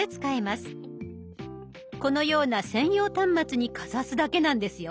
このような専用端末にかざすだけなんですよ。